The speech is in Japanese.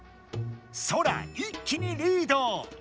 ソラ一気にリード！